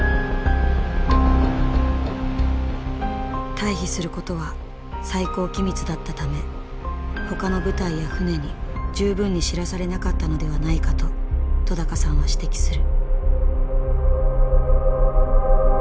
退避することは最高機密だったためほかの部隊や船に十分に知らされなかったのではないかと戸さんは指摘する。